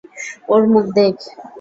ওর মুখ দেখ।